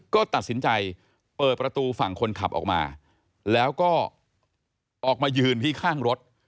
ก็ตัดสินใจเปิดประตูฝั่งคนขับออกมาแล้วก็ออกมายืนที่ข้างรถ